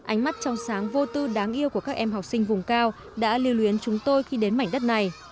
ánh mắt trong sáng vô tư đáng yêu của các em học sinh vùng cao đã lưu luyến chúng tôi khi đến mảnh đất này